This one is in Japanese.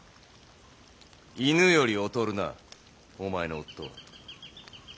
犬より劣るなお前の夫は。